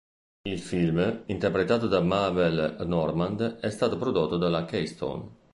Il film, interpretato da Mabel Normand, è stato prodotto dalla Keystone.